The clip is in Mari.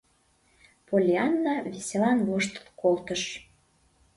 Поллианна веселан воштыл колтыш: